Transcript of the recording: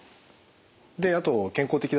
であと健康的だし。